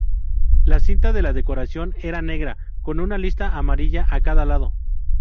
La cinta de la decoración era negra con una lista amarilla a cada lado.